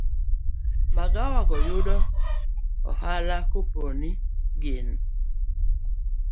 Magawa go yudo ohala kaponi gin